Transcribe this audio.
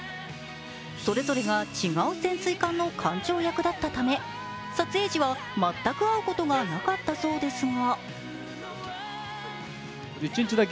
それぞれが違う潜水艦の艦長役だったため撮影時は全く会うことがなかったそうですが